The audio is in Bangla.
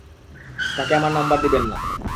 তাকে আমার নাম্বার দিবেন না।